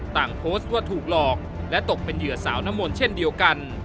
โพสต์ว่าถูกหลอกและตกเป็นเหยื่อสาวน้ำมนต์เช่นเดียวกัน